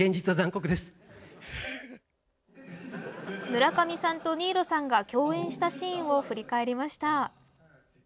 村上さんと新納さんが共演したシーンを振り返りました。